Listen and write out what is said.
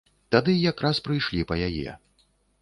Тады якраз прыйшлі па яе.